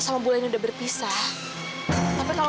jangan penyudur sama saya pak